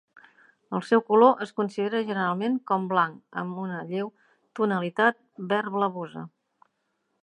El seu color es considera generalment com blanc amb una lleu tonalitat verd-blavosa.